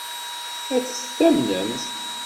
Ad t-tamnemt?